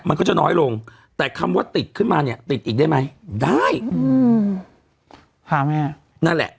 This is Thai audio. มันก็จะน้อยลงแต่คำว่าติดขึ้นมาเนี่ยติดอีกได้ไหมได้อืมพาแม่นั่นแหละ